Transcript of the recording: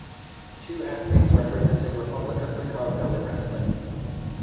Two athletes represented Republic of the Congo in wrestling.